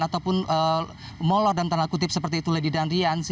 ataupun molor dan tanah kutip seperti itu lady danrian